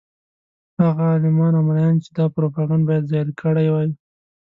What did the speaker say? هغه عالمان او ملایان چې دا پروپاګند باید زایل کړی وای.